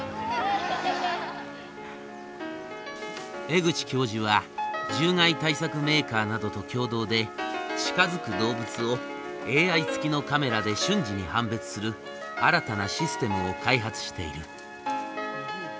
江口教授は獣害対策メーカーなどと共同で近づく動物をＡＩ付きのカメラで瞬時に判別する新たなシステムを開発している。